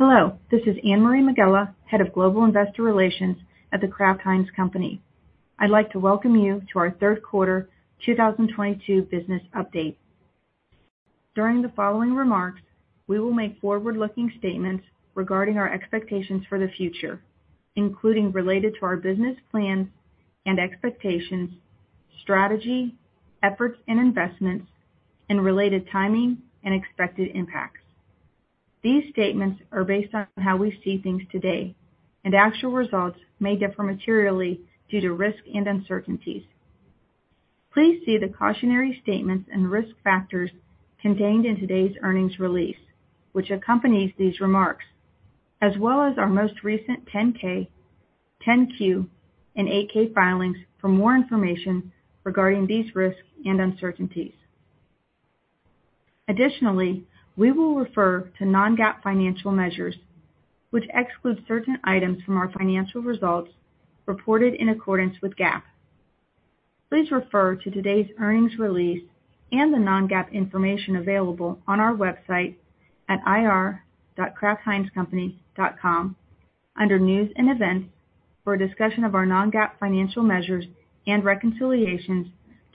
Hello, this is Anne-Marie Megela, Head of Global Investor Relations at The Kraft Heinz Company. I'd like to welcome you to our third quarter 2022 business update. During the following remarks, we will make forward-looking statements regarding our expectations for the future, including related to our business plans and expectations, strategy, efforts and investments, and related timing and expected impacts. These statements are based on how we see things today, and actual results may differ materially due to risk and uncertainties. Please see the cautionary statements and risk factors contained in today's earnings release, which accompanies these remarks, as well as our most recent 10-K, 10-Q, and 8-K filings for more information regarding these risks and uncertainties. Additionally, we will refer to non-GAAP financial measures, which exclude certain items from our financial results reported in accordance with GAAP. Please refer to today's earnings release and the non-GAAP information available on our website at ir.kraftheinzcompany.com under News and Events for a discussion of our non-GAAP financial measures and reconciliations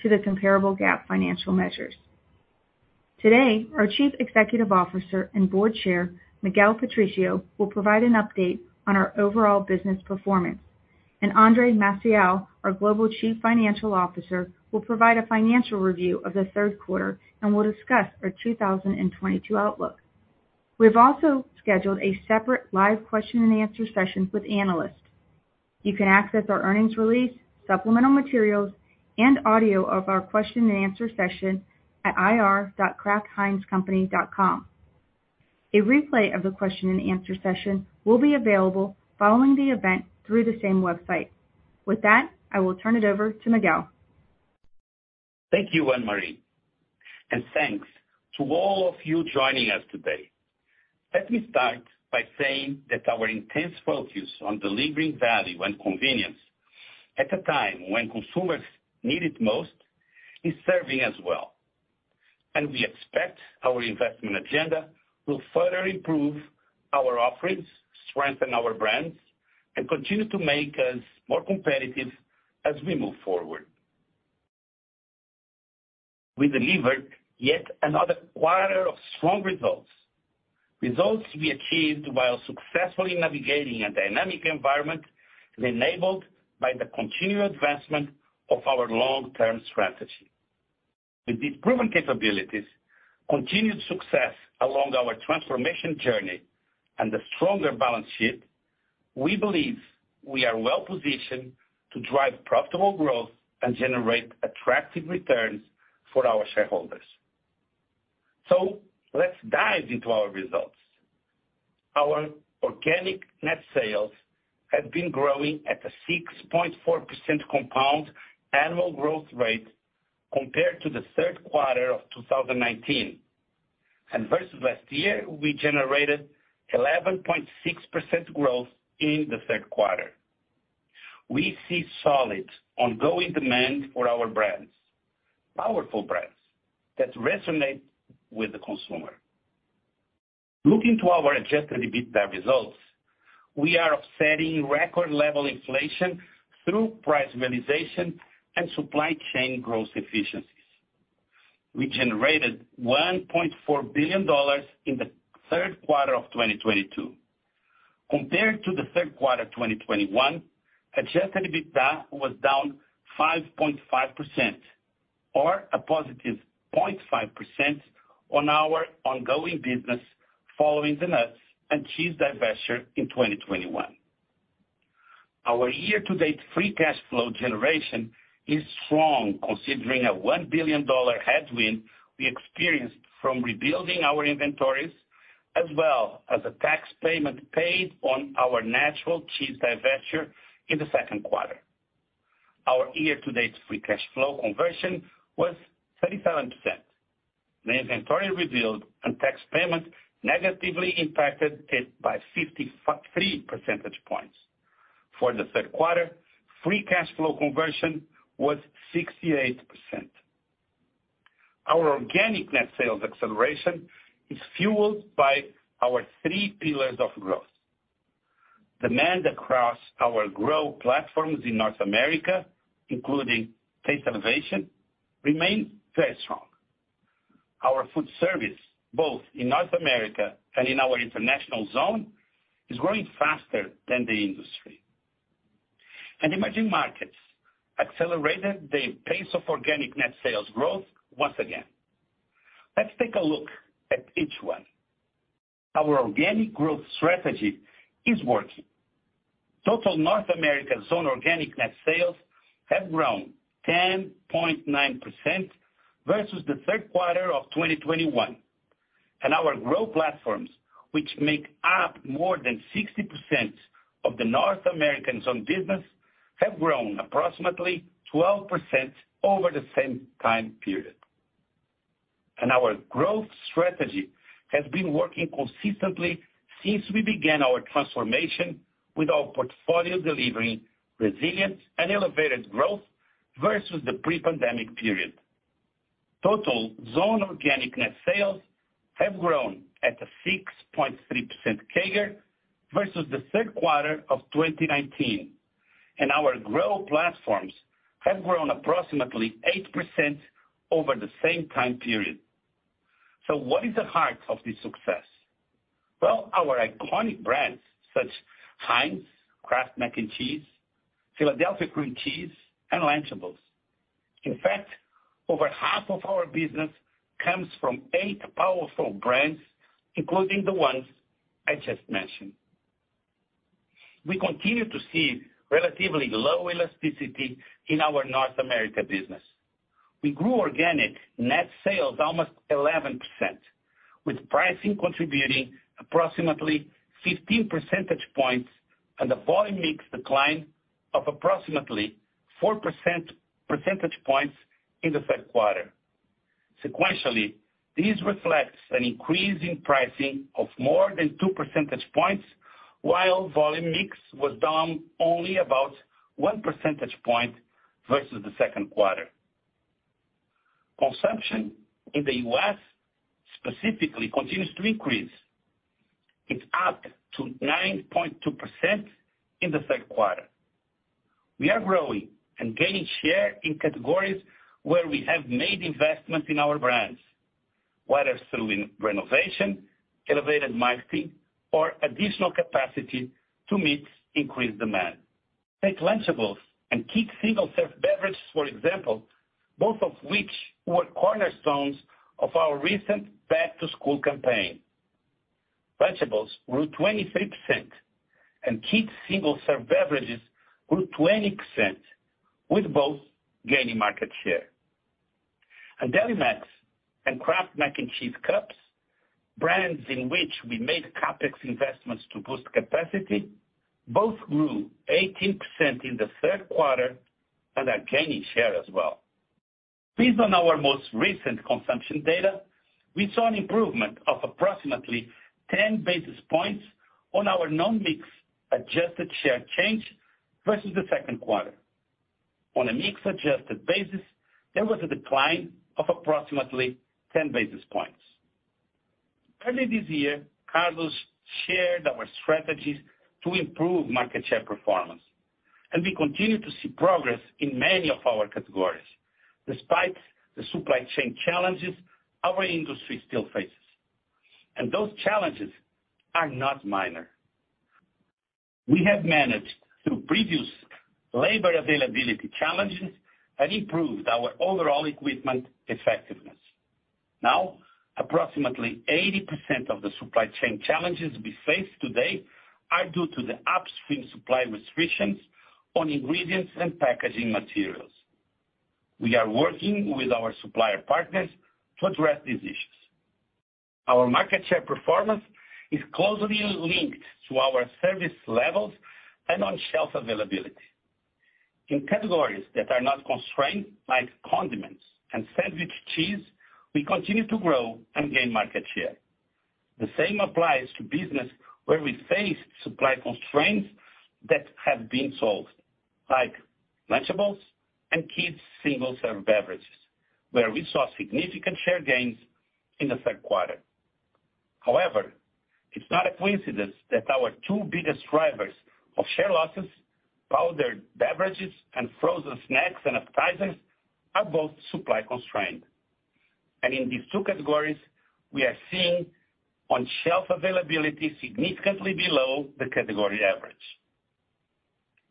to the comparable GAAP financial measures. Today, our Chief Executive Officer and Board Chair, Miguel Patricio, will provide an update on our overall business performance. Andre Maciel, our Global Chief Financial Officer, will provide a financial review of the third quarter and will discuss our 2022 outlook. We've also scheduled a separate live question-and-answer session with analysts. You can access our earnings release, supplemental materials, and audio of our question-and-answer session at ir.kraftheinzcompany.com. A replay of the question-and-answer session will be available following the event through the same website. With that, I will turn it over to Miguel. Thank you, Anne-Marie, and thanks to all of you joining us today. Let me start by saying that our intense focus on delivering value and convenience at the time when consumers need it most is serving us well. We expect our investment agenda will further improve our offerings, strengthen our brands, and continue to make us more competitive as we move forward. We delivered yet another quarter of strong results. Results we achieved while successfully navigating a dynamic environment enabled by the continued advancement of our long-term strategy. With these proven capabilities, continued success along our transformation journey and a stronger balance sheet, we believe we are well-positioned to drive profitable growth and generate attractive returns for our shareholders. Let's dive into our results. Our organic net sales have been growing at a 6.4% compound annual growth rate compared to the third quarter of 2019. Versus last year, we generated 11.6% growth in the third quarter. We see solid ongoing demand for our brands, powerful brands that resonate with the consumer. Looking to our adjusted EBITDA results, we are offsetting record level inflation through price realization and supply chain growth efficiencies. We generated $1.4 billion in the third quarter of 2022. Compared to the third quarter of 2021, adjusted EBITDA was down 5.5% or a positive 0.5% on our ongoing business following the nuts and cheese divestiture in 2021. Our year-to-date free cash flow generation is strong, considering a $1 billion headwind we experienced from rebuilding our inventories as well as a tax payment paid on our natural cheese divestiture in the second quarter. Our year-to-date free cash flow conversion was 37%. The inventory rebuild and tax payment negatively impacted it by 53 percentage points. For the third quarter, free cash flow conversion was 68%. Our organic net sales acceleration is fueled by our 3 pillars of growth. Demand across our growth platforms in North America, including taste innovation, remain very strong. Our food service, both in North America and in our international zone, is growing faster than the industry. Emerging markets accelerated the pace of organic net sales growth once again. Let's take a look at each one. Our organic growth strategy is working. Total North America zone organic net sales have grown 10.9% versus the third quarter of 2021. Our growth platforms, which make up more than 60% of the North American zone business, have grown approximately 12% over the same time period. Our growth strategy has been working consistently since we began our transformation with our portfolio delivering resilience and elevated growth versus the pre-pandemic period. Total zone organic net sales have grown at a 6.3% CAGR versus the third quarter of 2019, and our growth platforms have grown approximately 8% over the same time period. What is the heart of this success? Well, our iconic brands such as Heinz, Kraft Mac & Cheese, Philadelphia Cream Cheese, and Lunchables. In fact, over half of our business comes from 8 powerful brands, including the ones I just mentioned. We continue to see relatively low elasticity in our North America business. We grew organic net sales almost 11%, with pricing contributing approximately 15 percentage points and a volume mix decline of approximately four percentage points in the third quarter. Sequentially, this reflects an increase in pricing of more than two percentage points, while volume mix was down only about one percentage point versus the second quarter. Consumption in the U.S. specifically continues to increase. It's up to 9.2% in the third quarter. We are growing and gaining share in categories where we have made investments in our brands, whether through renovation, elevated marketing or additional capacity to meet increased demand. Take Lunchables and Kids single-serve beverages, for example, both of which were cornerstones of our recent back-to-school campaign. Lunchables grew 23% and Kids single-serve beverages grew 20%, with both gaining market share. Delimex and Kraft Mac & Cheese Cups, brands in which we made CapEx investments to boost capacity, both grew 18% in the third quarter and are gaining share as well. Based on our most recent consumption data, we saw an improvement of approximately 10 basis points on our non-mix adjusted share change versus the second quarter. On a mix-adjusted basis, there was a decline of approximately 10 basis points. Early this year, Carlos shared our strategies to improve market share performance, and we continue to see progress in many of our categories despite the supply chain challenges our industry still faces. Those challenges are not minor. We have managed through previous labor availability challenges and improved our overall equipment effectiveness. Now, approximately 80% of the supply chain challenges we face today are due to the upstream supply restrictions on ingredients and packaging materials. We are working with our supplier partners to address these issues. Our market share performance is closely linked to our service levels and on-shelf availability. In categories that are not constrained, like condiments and sandwich cheese, we continue to grow and gain market share. The same applies to business where we face supply constraints that have been solved, like Lunchables and Kids single-serve beverages, where we saw significant share gains in the third quarter. However, it's not a coincidence that our two biggest drivers of share losses, powdered beverages and frozen snacks and appetizers, are both supply constrained. In these two categories, we are seeing on-shelf availability significantly below the category average.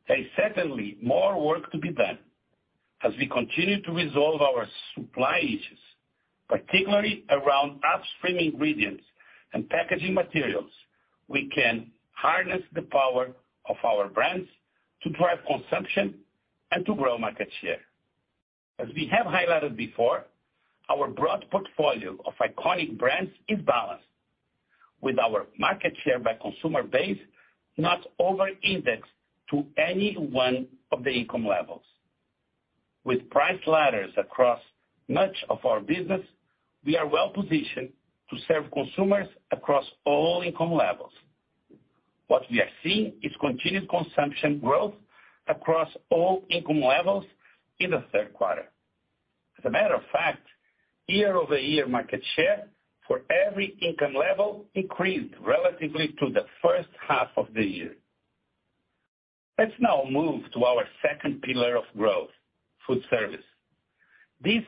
There's certainly more work to be done. As we continue to resolve our supply issues, particularly around upstream ingredients and packaging materials, we can harness the power of our brands to drive consumption and to grow market share. As we have highlighted before, our broad portfolio of iconic brands is balanced, with our market share by consumer base not over-indexed to any one of the income levels. With price ladders across much of our business, we are well-positioned to serve consumers across all income levels. What we are seeing is continued consumption growth across all income levels in the third quarter. As a matter of fact, year-over-year market share for every income level increased relatively to the first half of the year. Let's now move to our second pillar of growth: food service. This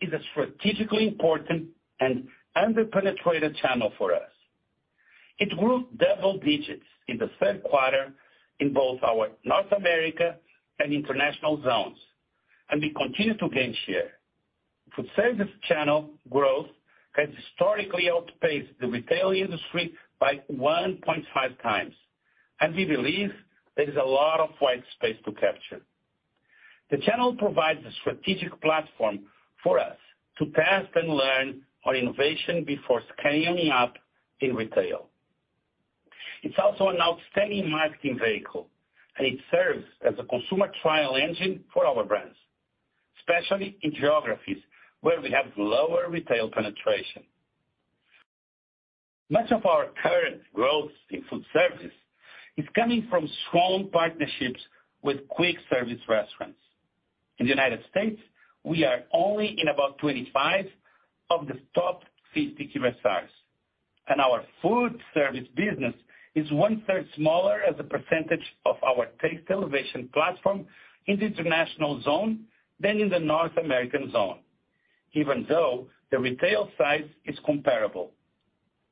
is a strategically important and underpenetrated channel for us. It grew double digits in the third quarter in both our North America and international zones, and we continue to gain share. Food service channel growth has historically outpaced the retail industry by 1.5 times, and we believe there is a lot of white space to capture. The channel provides a strategic platform for us to test and learn our innovation before scaling up in retail. It's also an outstanding marketing vehicle, and it serves as a consumer trial engine for our brands, especially in geographies where we have lower retail penetration. Much of our current growth in food service is coming from strong partnerships with quick service restaurants. In the United States, we are only in about 25 of the top 50 QSRs, and our food service business is 1/3 smaller as a percentage of our taste elevation platform in the international zone than in the North American zone, even though the retail size is comparable.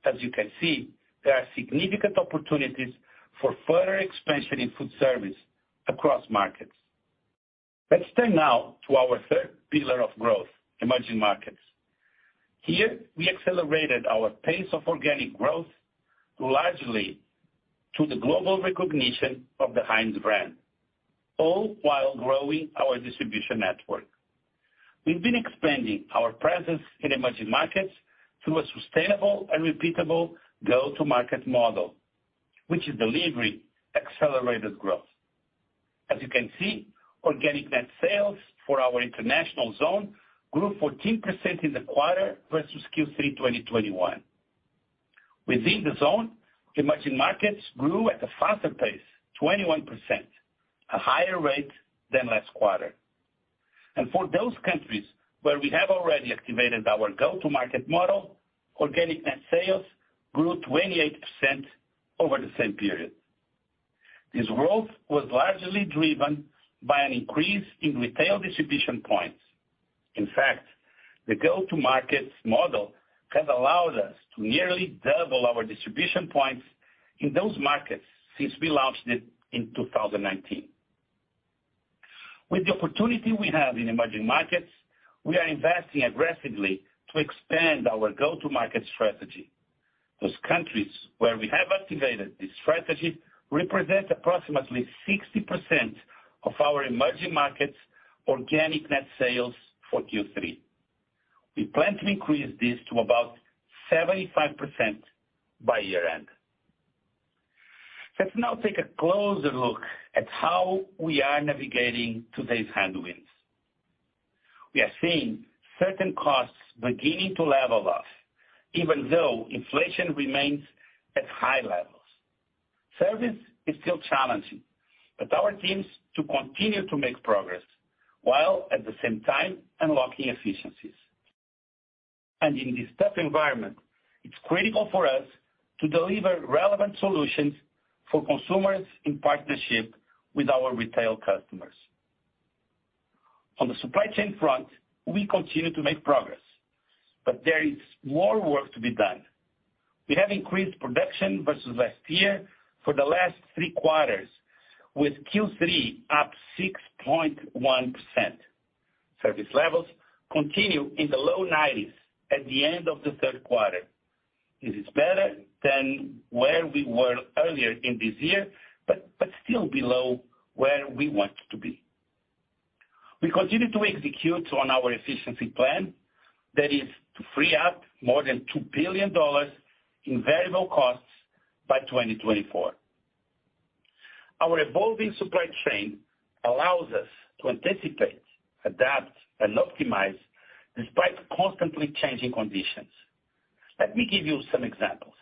As you can see, there are significant opportunities for further expansion in food service across markets. Let's turn now to our third pillar of growth, emerging markets. Here, we accelerated our pace of organic growth, largely through the global recognition of the Heinz brand, all while growing our distribution network. We've been expanding our presence in emerging markets through a sustainable and repeatable go-to-market model, which is delivering accelerated growth. As you can see, organic net sales for our international zone grew 14% in the quarter versus Q3 2021. Within the zone, emerging markets grew at a faster pace, 21%, a higher rate than last quarter. For those countries where we have already activated our go-to-market model, organic net sales grew 28% over the same period. This growth was largely driven by an increase in retail distribution points. In fact, the go-to-markets model has allowed us to nearly double our distribution points in those markets since we launched it in 2019. With the opportunity we have in emerging markets, we are investing aggressively to expand our go-to-market strategy. Those countries where we have activated this strategy represent approximately 60% of our emerging markets' organic net sales for Q3. We plan to increase this to about 75% by year-end. Let's now take a closer look at how we are navigating today's headwinds. We are seeing certain costs beginning to level off, even though inflation remains at high levels. Service is still challenging, but our teams too continue to make progress, while at the same time unlocking efficiencies. In this tough environment, it's critical for us to deliver relevant solutions for consumers in partnership with our retail customers. On the supply chain front, we continue to make progress, but there is more work to be done. We have increased production versus last year for the last three quarters, with Q3 up 6.1%. Service levels continue in the low 90s% at the end of the third quarter. This is better than where we were earlier in this year, but still below where we want to be. We continue to execute on our efficiency plan. That is to free up more than $2 billion in variable costs by 2024. Our evolving supply chain allows us to anticipate, adapt, and optimize despite constantly changing conditions. Let me give you some examples.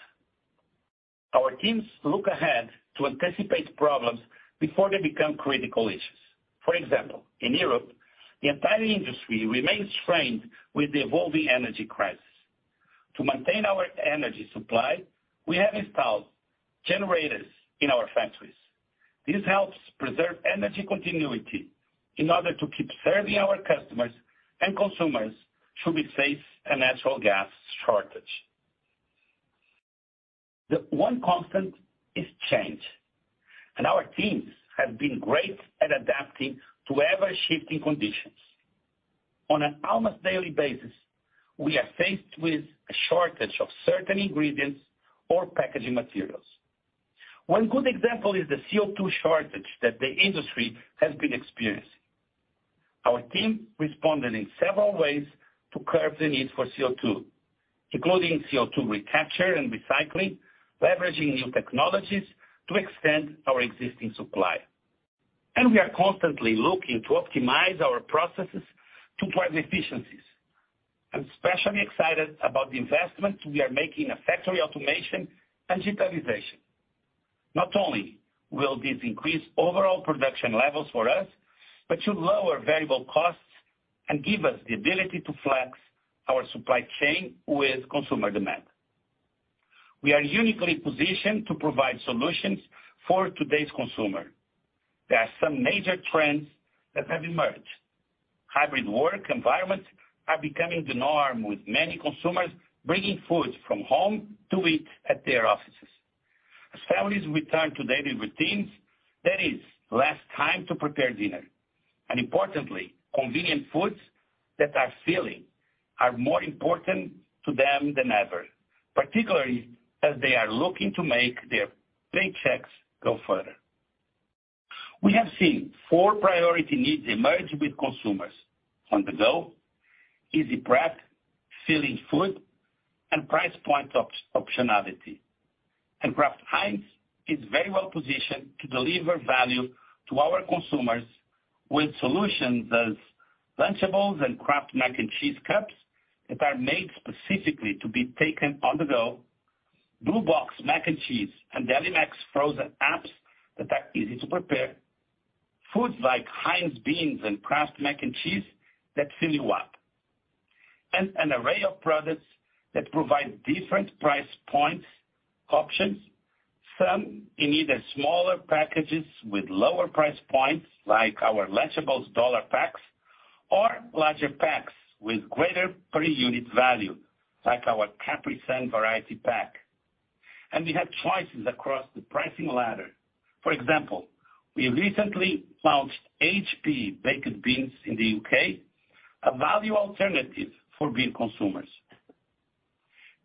Our teams look ahead to anticipate problems before they become critical issues. For example, in Europe, the entire industry remains framed with the evolving energy crisis. To maintain our energy supply, we have installed generators in our factories. This helps preserve energy continuity in order to keep serving our customers and consumers should we face a natural gas shortage. The one constant is change, and our teams have been great at adapting to ever-shifting conditions. On an almost daily basis, we are faced with a shortage of certain ingredients or packaging materials. One good example is the CO₂ shortage that the industry has been experiencing. Our team responded in several ways to curb the need for CO₂, including CO₂ recapture and recycling, leveraging new technologies to extend our existing supply. We are constantly looking to optimize our processes to drive efficiencies. I'm especially excited about the investment we are making in factory automation and digitalization. Not only will this increase overall production levels for us, but should lower variable costs and give us the ability to flex our supply chain with consumer demand. We are uniquely positioned to provide solutions for today's consumer. There are some major trends that have emerged. Hybrid work environments are becoming the norm, with many consumers bringing food from home to eat at their offices. As families return to daily routines, there is less time to prepare dinner. Importantly, convenient foods that are filling are more important to them than ever, particularly as they are looking to make their paychecks go further. We have seen four priority needs emerge with consumers: on-the-go, easy prep, filling food, and price point optionality. Kraft Heinz is very well positioned to deliver value to our consumers with solutions such as Lunchables and Kraft Mac & Cheese Cups that are made specifically to be taken on the go. Blue Box Mac and Cheese and Delimex frozen apps that are easy to prepare. Foods like Heinz beans and Kraft Mac and Cheese that fill you up. An array of products that provide different price point options, some either in smaller packages with lower price points, like our Lunchables dollar packs or larger packs with greater per unit value, like our Capri Sun variety pack. We have choices across the pricing ladder. For example, we recently launched HP Baked Beans in the UK, a value alternative for bean consumers.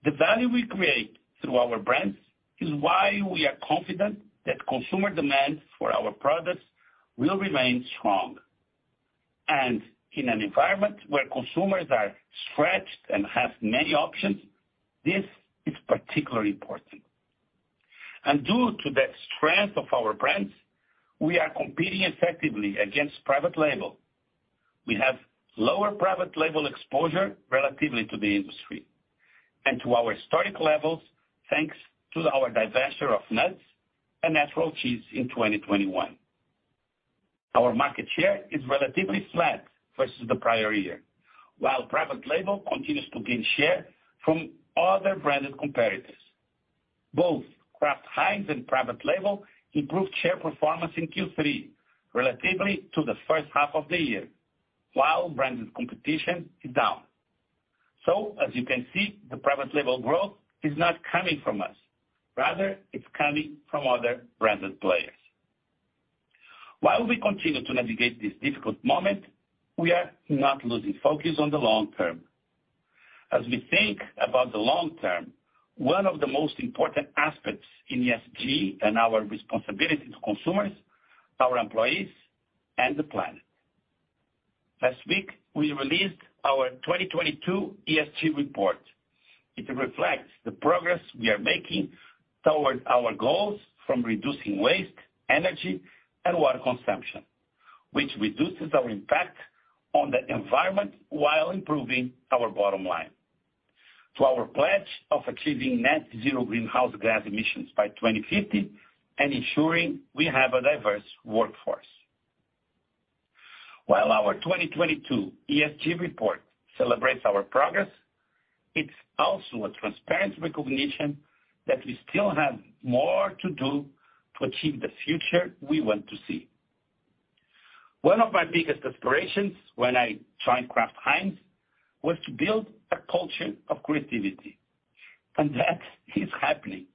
The value we create through our brands is why we are confident that consumer demand for our products will remain strong. In an environment where consumers are stretched and have many options, this is particularly important. Due to that strength of our brands, we are competing effectively against private label. We have lower private label exposure relatively to the industry and to our historic levels thanks to our divestiture of nuts and natural cheese in 2021. Our market share is relatively flat versus the prior year, while private label continues to gain share from other branded competitors. Both Kraft Heinz and private label improved share performance in Q3 relatively to the first half of the year, while branded competition is down. As you can see, the private label growth is not coming from us, rather it's coming from other branded players. While we continue to navigate this difficult moment, we are not losing focus on the long term. As we think about the long term, one of the most important aspects in ESG and our responsibility to consumers, our employees, and the planet. Last week we released our 2022 ESG report. It reflects the progress we are making towards our goals from reducing waste, energy, and water consumption, which reduces our impact on the environment while improving our bottom line, to our pledge of achieving net zero greenhouse gas emissions by 2050 and ensuring we have a diverse workforce. While our 2022 ESG report celebrates our progress, it's also a transparent recognition that we still have more to do to achieve the future we want to see. One of my biggest aspirations when I joined Kraft Heinz was to build a culture of creativity, and that is happening.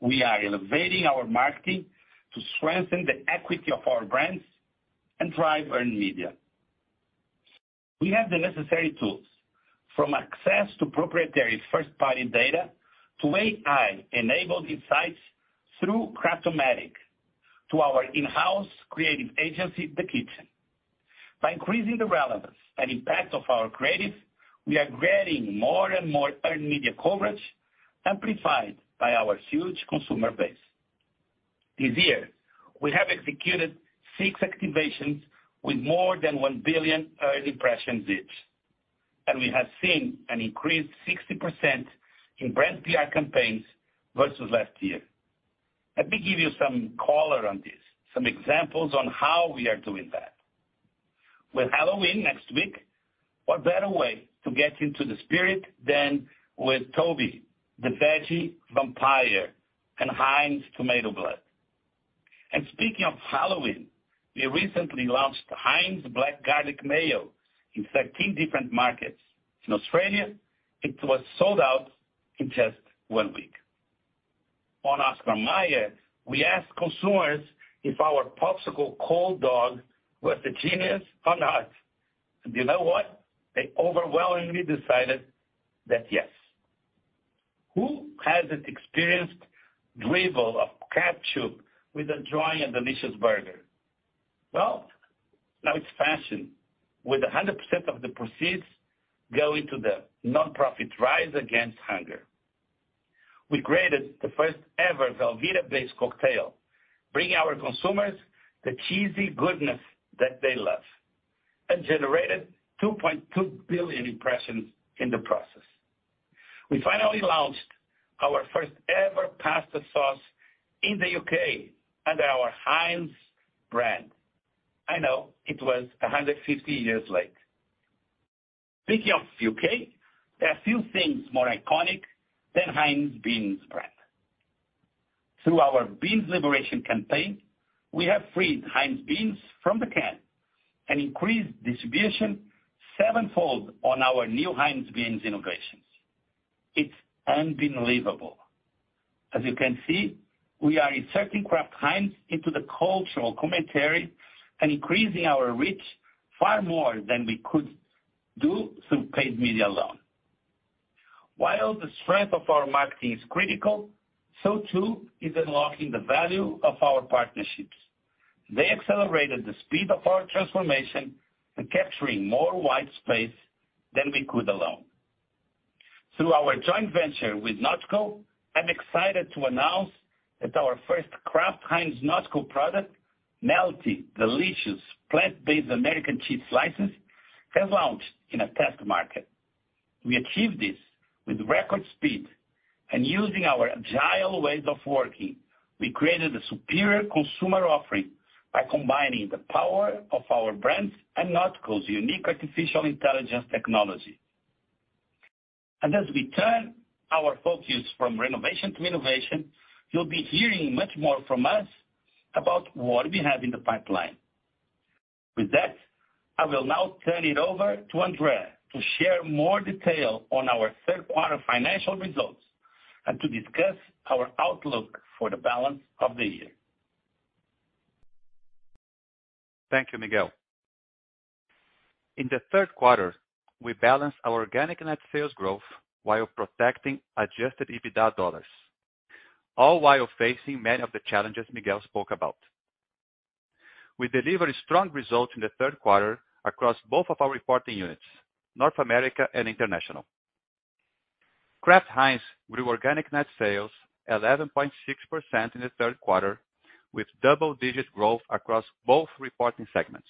We are elevating our marketing to strengthen the equity of our brands and drive earned media. We have the necessary tools from access to proprietary first-party data to AI-enabled insights through Kraft-O-Matic to our in-house creative agency, The Kitchen. By increasing the relevance and impact of our creative, we are getting more and more earned media coverage amplified by our huge consumer base. This year we have executed six activations with more than 1 billion earned impressions, and we have seen an increased 60% in brand PR campaigns versus last year. Let me give you some color on this, some examples on how we are doing that. With Halloween next week, what better way to get into the spirit than with Toby the Vegetarian Vampire and Heinz Tomato Blood? Speaking of Halloween, we recently launched Heinz Black Garlic Mayo in 13 different markets. In Australia, it was sold out in just 1 week. On Oscar Mayer, we asked consumers if our Cold Dog was a genius or not. You know what? They overwhelmingly decided that yes. Who hasn't experienced dribble of ketchup with a dry and delicious burger? Well, now it's fashion with 100% of the proceeds going to the nonprofit Rise Against Hunger. We created the first ever Velveeta-based cocktail, bringing our consumers the cheesy goodness that they love and generated 2.2 billion impressions in the process. We finally launched our first ever pasta sauce in the U.K. under our Heinz brand. I know it was 150 years late. Speaking of U.K., there are few things more iconic than Heinz Beans brand. Through our Beans Liberation campaign, we have freed Heinz Beans from the can and increased distribution sevenfold on our new Heinz Beans innovations. It's unbeanlievable. As you can see, we are inserting Kraft Heinz into the cultural commentary and increasing our reach far more than we could do through paid media alone. While the strength of our marketing is critical, so too is unlocking the value of our partnerships. They accelerated the speed of our transformation and capturing more white space than we could alone. Through our joint venture with NotCo, I'm excited to announce that our first Kraft Heinz NotCo product, melty, delicious plant-based American cheese slices, have launched in a test market. We achieved this with record speed, and using our agile ways of working, we created a superior consumer offering by combining the power of our brands and NotCo's unique artificial intelligence technology. As we turn our focus from renovation to innovation, you'll be hearing much more from us about what we have in the pipeline. With that, I will now turn it over to Andre to share more detail on our third quarter financial results and to discuss our outlook for the balance of the year. Thank you, Miguel. In the third quarter, we balanced our organic net sales growth while protecting adjusted EBITDA dollars, all while facing many of the challenges Miguel spoke about. We delivered strong results in the third quarter across both of our reporting units, North America and International. Kraft Heinz grew organic net sales 11.6% in the third quarter, with double-digit growth across both reporting segments.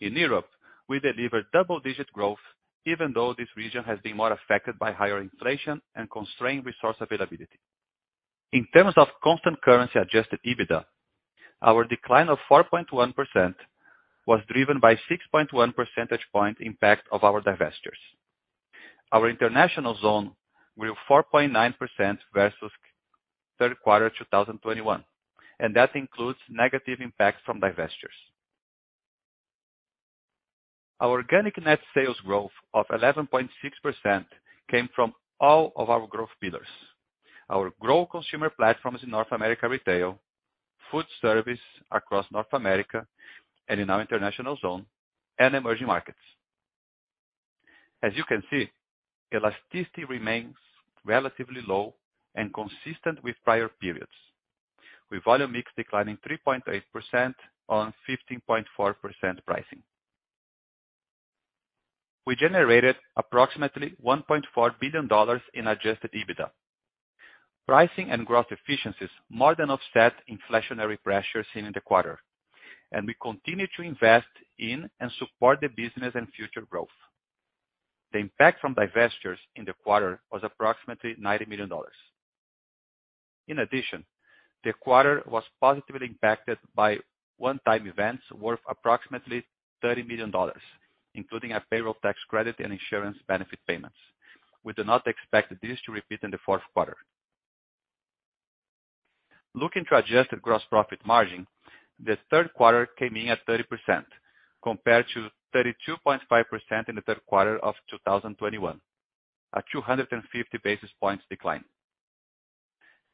In Europe, we delivered double-digit growth, even though this region has been more affected by higher inflation and constrained resource availability. In terms of constant currency adjusted EBITDA, our decline of 4.1% was driven by 6.1 percentage point impact of our divestitures. Our international zone grew 4.9% versus third quarter 2021, and that includes negative impacts from divestitures. Our organic net sales growth of 11.6% came from all of our growth pillars. Our growth consumer platforms in North America, retail, food service across North America and in our international zone and emerging markets. As you can see, elasticity remains relatively low and consistent with prior periods, with volume mix declining 3.8% on 15.4% pricing. We generated approximately $1.4 billion in adjusted EBITDA. Pricing and growth efficiencies more than offset inflationary pressures seen in the quarter, and we continue to invest in and support the business and future growth. The impact from divestitures in the quarter was approximately $90 million. In addition, the quarter was positively impacted by one-time events worth approximately $30 million, including a payroll tax credit and insurance benefit payments. We do not expect this to repeat in the fourth quarter. Looking to adjusted gross profit margin, the third quarter came in at 30%, compared to 32.5% in the third quarter of 2021, a 250 basis points decline.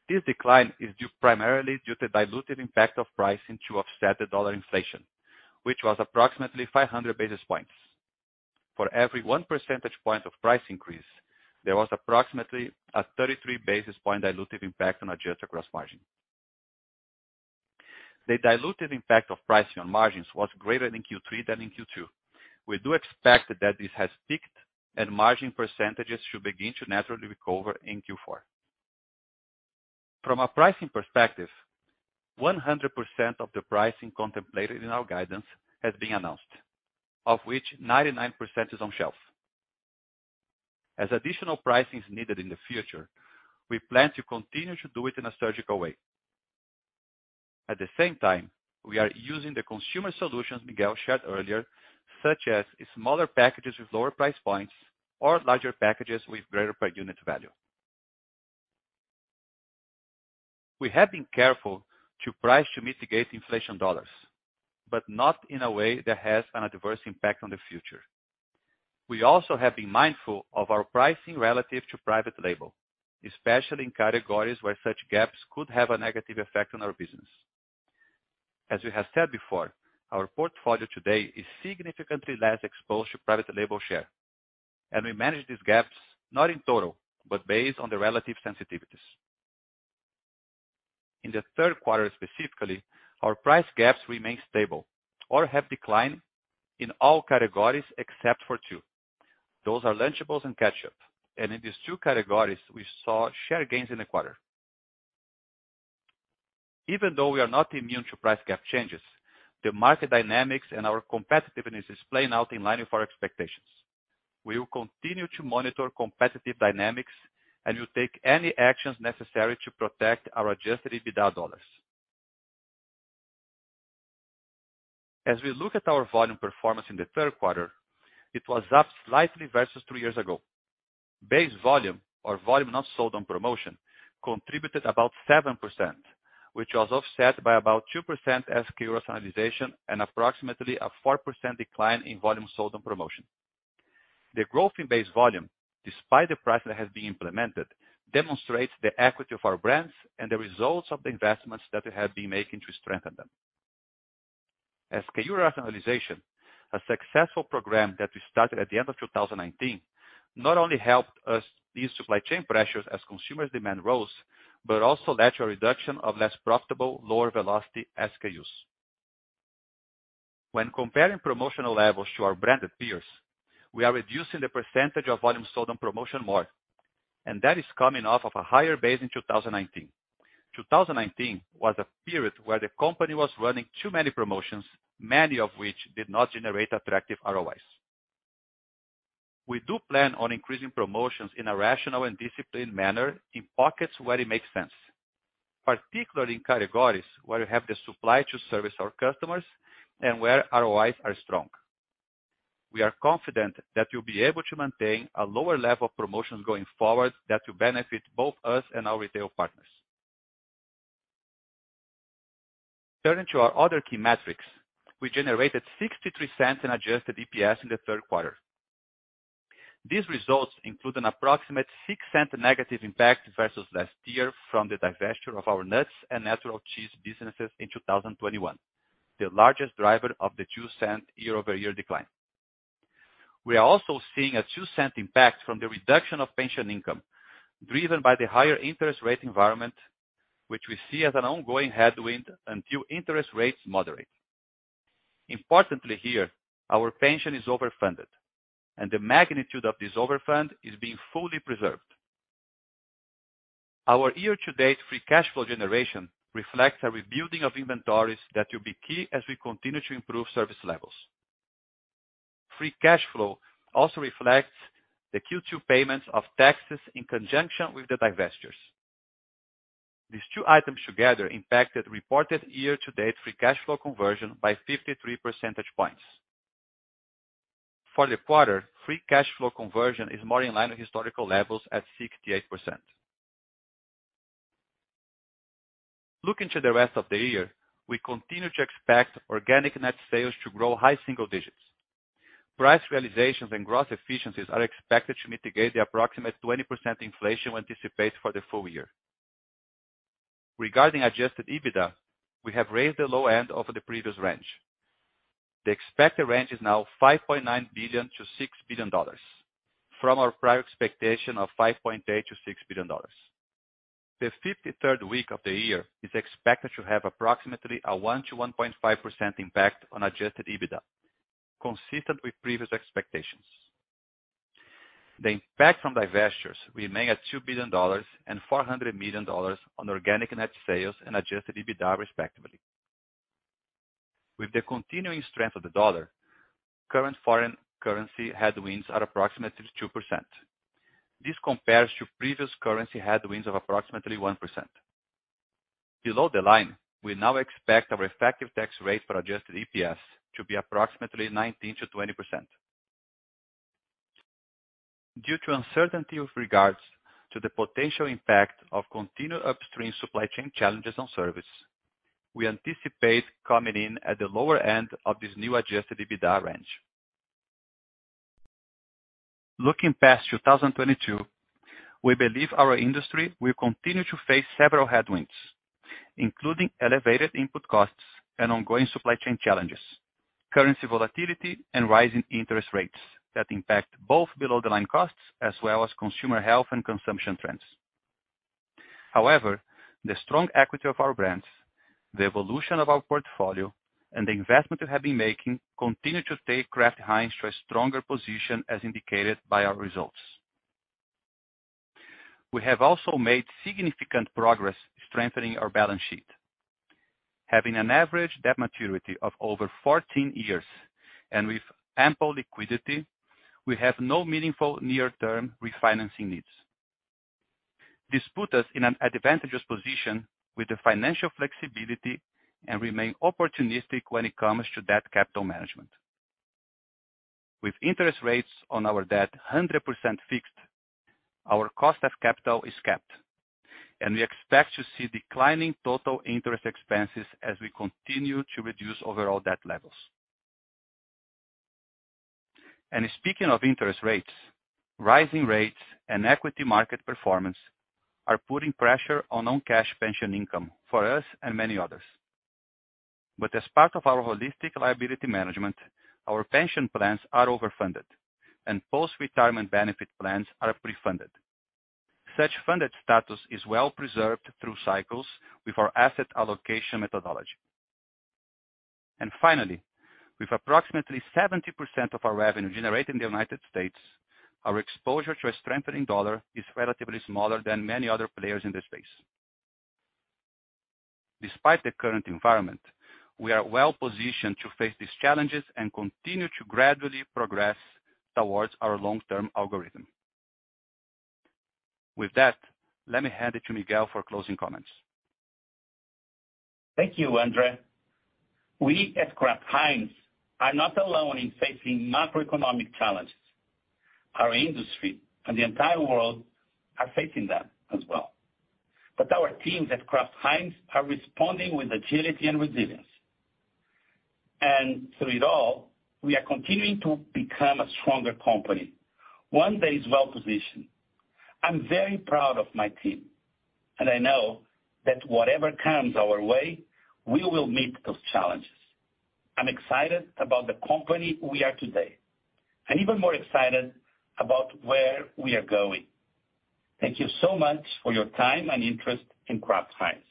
This decline is due primarily to dilutive impact of pricing to offset the dollar inflation, which was approximately 500 basis points. For every 1 percentage point of price increase, there was approximately a 33 basis point dilutive impact on adjusted gross margin. The dilutive impact of pricing on margins was greater in Q3 than in Q2. We do expect that this has peaked and margin percentages should begin to naturally recover in Q4. From a pricing perspective, 100% of the pricing contemplated in our guidance has been announced, of which 99% is on shelf. As additional pricing is needed in the future, we plan to continue to do it in a surgical way. At the same time, we are using the consumer solutions Miguel shared earlier, such as smaller packages with lower price points or larger packages with greater per unit value. We have been careful to price to mitigate inflation dollars, but not in a way that has an adverse impact on the future. We also have been mindful of our pricing relative to private label, especially in categories where such gaps could have a negative effect on our business. As we have said before, our portfolio today is significantly less exposed to private label share, and we manage these gaps not in total, but based on the relative sensitivities. In the third quarter specifically, our price gaps remain stable or have declined in all categories except for two. Those are Lunchables and ketchup. In these two categories, we saw share gains in the quarter. Even though we are not immune to price gap changes, the market dynamics and our competitiveness is playing out in line with our expectations. We will continue to monitor competitive dynamics and will take any actions necessary to protect our adjusted EBITDA dollars. As we look at our volume performance in the third quarter, it was up slightly versus two years ago. Base volume or volume not sold on promotion contributed about 7%, which was offset by about 2% SKU rationalization and approximately a 4% decline in volume sold on promotion. The growth in base volume, despite the price that has been implemented, demonstrates the equity of our brands and the results of the investments that we have been making to strengthen them. SKU rationalization, a successful program that we started at the end of 2019, not only helped us ease supply chain pressures as consumer demand rose, but also led to a reduction of less profitable, lower velocity SKUs. When comparing promotional levels to our branded peers, we are reducing the percentage of volume sold on promotion more, and that is coming off of a higher base in 2019. 2019 was a period where the company was running too many promotions, many of which did not generate attractive ROIs. We do plan on increasing promotions in a rational and disciplined manner in pockets where it makes sense, particularly in categories where we have the supply to service our customers and where ROIs are strong. We are confident that we'll be able to maintain a lower level of promotions going forward that will benefit both us and our retail partners. Turning to our other key metrics. We generated $0.63 in adjusted EPS in the third quarter. These results include an approximate $0.06 negative impact versus last year from the divestiture of our nuts and natural cheese businesses in 2021, the largest driver of the $0.02 year-over-year decline. We are also seeing a $0.02 impact from the reduction of pension income driven by the higher interest rate environment, which we see as an ongoing headwind until interest rates moderate. Importantly here, our pension is overfunded, and the magnitude of this overfund is being fully preserved. Our year-to-date free cash flow generation reflects a rebuilding of inventories that will be key as we continue to improve service levels. Free cash flow also reflects the Q2 payments of taxes in conjunction with the divestitures. These two items together impacted reported year-to-date free cash flow conversion by 53 percentage points. For the quarter, free cash flow conversion is more in line with historical levels at 68%. Looking to the rest of the year, we continue to expect organic net sales to grow high single digits. Price realizations and gross efficiencies are expected to mitigate the approximate 20% inflation we anticipate for the full year. Regarding adjusted EBITDA, we have raised the low end over the previous range. The expected range is now $5.9 billion-$6 billion from our prior expectation of $5.8-$6 billion. The 53rd week of the year is expected to have approximately a 1%-1.5% impact on adjusted EBITDA, consistent with previous expectations. The impact from divestitures remain at $2 billion and $400 million on organic net sales and adjusted EBITDA, respectively. With the continuing strength of the dollar, current foreign currency headwinds are approximately 2%. This compares to previous currency headwinds of approximately 1%. Below the line, we now expect our effective tax rate for adjusted EPS to be approximately 19%-20%. Due to uncertainty with regards to the potential impact of continued upstream supply chain challenges on service, we anticipate coming in at the lower end of this new adjusted EBITDA range. Looking past 2022, we believe our industry will continue to face several headwinds, including elevated input costs and ongoing supply chain challenges, currency volatility, and rising interest rates that impact both below-the-line costs as well as consumer health and consumption trends. However, the strong equity of our brands, the evolution of our portfolio, and the investment we have been making continue to take Kraft Heinz to a stronger position, as indicated by our results. We have also made significant progress strengthening our balance sheet. Having an average debt maturity of over 14 years and with ample liquidity, we have no meaningful near-term refinancing needs. This put us in an advantageous position with the financial flexibility and remain opportunistic when it comes to debt capital management. With interest rates on our debt 100% fixed, our cost of capital is capped, and we expect to see declining total interest expenses as we continue to reduce overall debt levels. Speaking of interest rates, rising rates and equity market performance are putting pressure on non-cash pension income for us and many others. As part of our holistic liability management, our pension plans are overfunded and post-retirement benefit plans are pre-funded. Such funded status is well preserved through cycles with our asset allocation methodology. Finally, with approximately 70% of our revenue generated in the United States, our exposure to a strengthening US dollar is relatively smaller than many other players in this space. Despite the current environment, we are well-positioned to face these challenges and continue to gradually progress towards our long-term algorithm. With that, let me hand it to Miguel for closing comments. Thank you, Andre. We at Kraft Heinz are not alone in facing macroeconomic challenges. Our industry and the entire world are facing them as well. Our teams at Kraft Heinz are responding with agility and resilience. Through it all, we are continuing to become a stronger company, one that is well positioned. I'm very proud of my team, and I know that whatever comes our way, we will meet those challenges. I'm excited about the company we are today, and even more excited about where we are going. Thank you so much for your time and interest in Kraft Heinz.